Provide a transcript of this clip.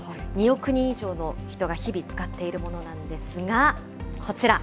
２億人以上の人が日々使っているものなんですが、こちら。